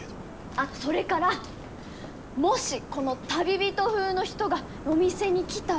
あっそれからもしこの旅人風の人がお店に来たらくれぐれも。